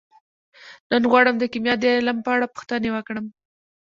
نن غواړم د کیمیا د علم په اړه پوښتنې وکړم.